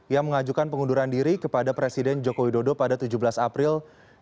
yang mengajukan pengunduran diri kepada presiden joko widodo pada tujuh belas april dua ribu dua puluh